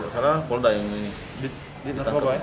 karena polda yang ditangkap